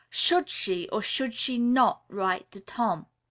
Should she or should she not write to Tom?